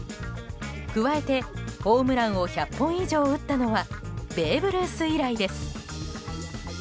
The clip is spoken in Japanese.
加えてホームランを１００本以上打ったのはベーブ・ルース以来です。